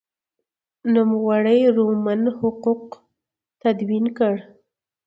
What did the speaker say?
نوموړي رومن حقوق تدوین کړل.